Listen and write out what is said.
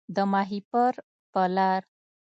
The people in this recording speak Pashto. د ماهیپر په لار